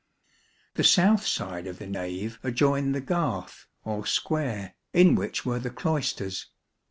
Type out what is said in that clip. The south side of the nave adjoined the garth, or square, in which were the cloisters.